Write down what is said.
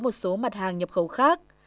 một số mặt hàng nhập khẩu khác